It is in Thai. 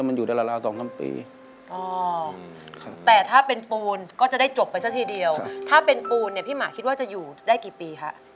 มันอยู่ได้ราว๒๓ปีแต่ถ้าเป็นปูนก็จะได้จบไปซะทีเดียวถ้าเป็นปูนเนี่ยพี่หมาคิดว่าจะอยู่ได้กี่ปีฮะ